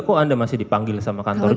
kok anda masih dipanggil sama kantor dpr